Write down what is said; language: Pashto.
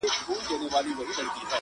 • نه د چا په لویو خونو کي غټیږو -